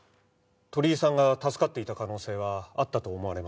鳥居さんが助かっていた可能性はあったと思われます。